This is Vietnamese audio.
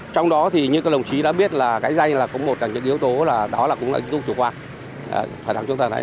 trong đó thì như các đồng chí đã biết là cái dây là có một trong những yếu tố là đó là cũng là yếu tố chủ quan